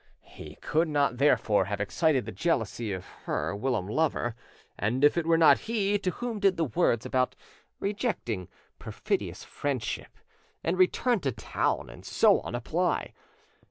He could not therefore have excited the jealousy of her whilom lover; and if it were not he, to whom did the words about rejecting "perfidious friendship," and "returned to town," and so on, apply?